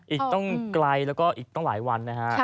อีกต้องไกลแล้วก็อีกต้องหลายวันนะฮะ